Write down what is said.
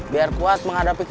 biar kuat menghadapimu